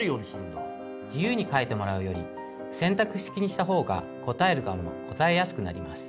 自由に書いてもらうより選択式にしたほうが答える側も答えやすくなります。